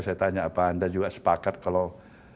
saya tanya apa anda juga sepakat kalau